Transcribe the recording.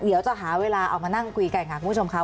เดี๋ยวจะหาเวลาเอามานั่งคุยกันค่ะคุณผู้ชมค่ะ